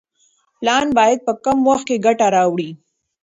پلان باید په کم وخت کې ګټه راوړي.